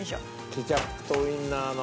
ケチャップとウィンナーの。